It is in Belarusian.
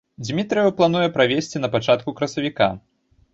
Дзмітрыеў плануе правесці на пачатку красавіка.